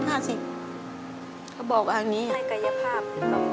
ให้กายภาพลำบากเราด้วยครับ